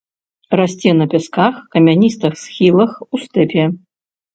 Расце на пясках, камяністых схілах, у стэпе.